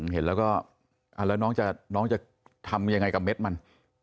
เห็นแล้วก็แล้วน้องจะทำยังไงกับเม็ดมัน